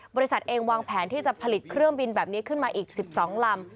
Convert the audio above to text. บริษัทเองวางแผนที่จะผลิตเครื่องบินแบบนี้ขึ้นมาอีก๑๒ลำ